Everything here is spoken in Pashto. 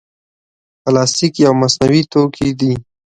پلاستيک یو مصنوعي توکي دی.